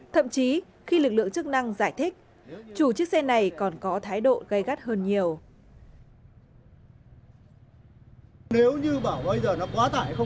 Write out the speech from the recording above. thậm chí khi lực lượng chức năng giải thích chủ chiếc xe này còn có thái độ gây gắt hơn nhiều